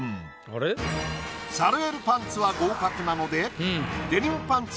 サルエルパンツは合格なので。